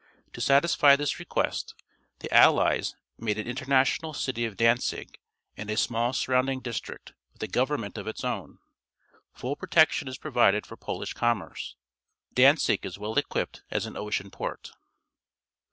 To satisfy this request, the AUies made an international city of Danzig and a small surrounding district, ^\^th a government of its own. Full protection is pro\'ided for Polish com merce. Danzig is well equipped as an ocean port.